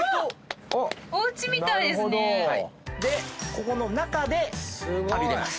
ここの中で浴びれます。